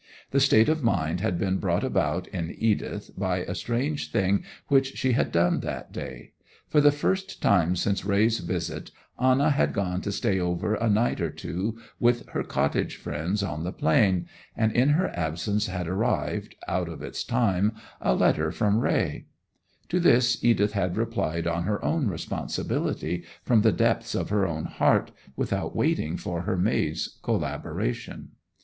The state of mind had been brought about in Edith by a strange thing which she had done that day. For the first time since Raye's visit Anna had gone to stay over a night or two with her cottage friends on the Plain, and in her absence had arrived, out of its time, a letter from Raye. To this Edith had replied on her own responsibility, from the depths of her own heart, without waiting for her maid's collaboration.